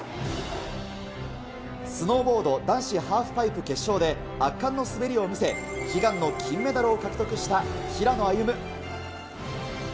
スノーボード男子ハーフパイプ決勝で圧巻の滑りを見せ、悲願の金メダルを獲得した平野歩夢。